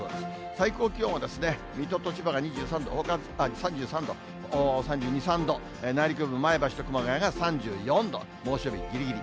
最高気温はですね、水戸と千葉が、３３度、３２、３度、内陸部、前橋と熊谷が３４度、猛暑日ぎりぎり。